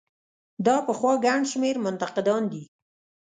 دا پخوا ګڼ شمېر منتقدان دي.